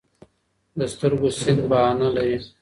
د سترګو سيند بهانه لري